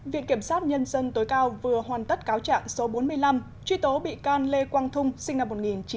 viện kiểm sát nhân dân tối cao vừa hoàn tất cáo trạng số bốn mươi năm truy tố bị can lê quang thung sinh năm một nghìn chín trăm tám mươi